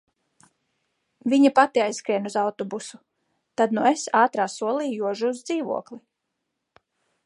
Viņa pati aizskrien uz autobusu. Tad nu es ātrā solī jožu uz dzīvokli.